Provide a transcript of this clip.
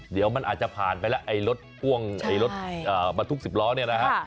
เดี๋ยวมันอาจจะผ่านไปแล้วไอ้รถทุกสิบล้อเนี่ยนะคะ